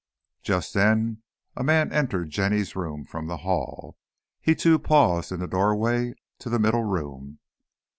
Just then a man entered Jenny's room, from the hall. He, too, paused in the doorway to the middle room.